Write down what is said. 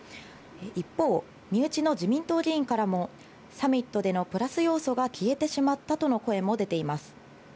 一方、身内の自民党議員からもサミットでのプラス要素が消えてしまったとの声も出ています。